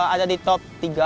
ada di top tiga